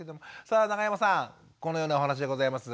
さあ永山さんこのようなお話でございます。